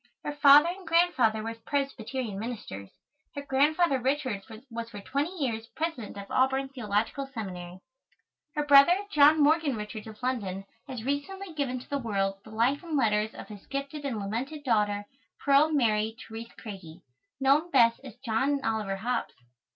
Her father and grandfather were Presbyterian ministers. Her Grandfather Richards was for twenty years President of Auburn Theological Seminary. Her brother, John Morgan Richards of London, has recently given to the world the Life and Letters of his gifted and lamented daughter, Pearl Mary Terèse Craigie, known best as John Oliver Hobbes.